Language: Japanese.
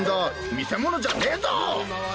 見世物じゃねーぞ！